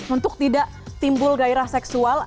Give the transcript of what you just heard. untuk tidak timbul gairah seksual